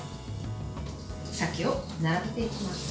鮭を並べていきます。